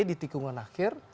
di tikungan akhir